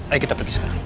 ayo kita pergi sekarang